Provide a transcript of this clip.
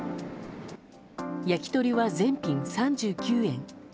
焼き鳥は全品３９円。